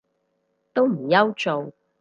都唔憂做